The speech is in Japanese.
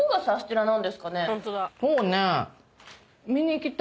そうね。